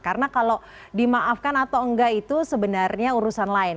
karena kalau dimaafkan atau enggak itu sebenarnya urusan lain